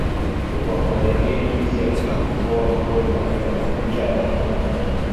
wa kujadili jinsi ya kujikomboa kutoka katika makucha ya wakoloni